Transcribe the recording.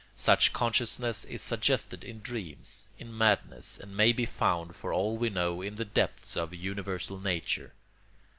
Such consciousness is suggested in dreams, in madness, and may be found, for all we know, in the depths of universal nature.